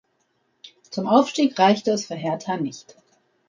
Zum Aufstieg reichte es für Hertha nicht.